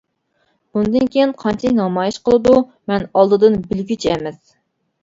بۇندىن كېيىن قانچىلىك نامايىش قىلىدۇ، مەن ئالدىدىن بىلگۈچى ئەمەس.